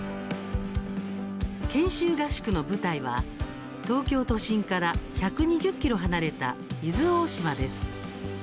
研修合宿の舞台は東京都心から１２０ｋｍ離れた伊豆大島です。